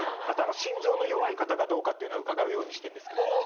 あと心臓の弱い方かどうかっていうのは伺うようにしてんですけど。